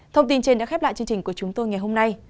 thông tin trên đã khép lại chương trình của chúng tôi ngày hôm nay